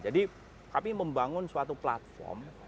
jadi kami membangun suatu platform